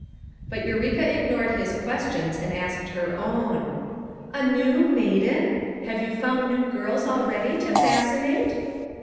But Eureka ignored his questions and asked her own. "A ' neio maiden?' Have you found new girls already to fascinate!"